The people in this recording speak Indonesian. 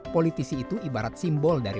politisi itu ibarat simbol dari